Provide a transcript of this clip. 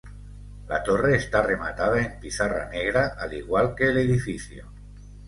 La torre está rematada en pizarra negra, al igual que el edificio.